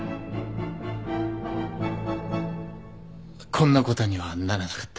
こんなことにはならなかった。